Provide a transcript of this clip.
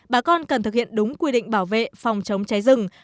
bà con cần thực hiện đúng quy định bảo vệ phòng chống cháy rừng